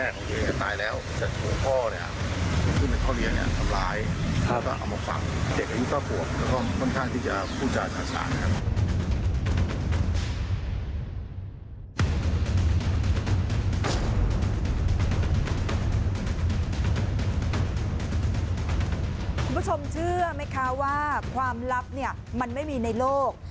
คุณผู้ชมเชื่อไหมคะว่าความลับเนี่ยมันไม่มีในโลก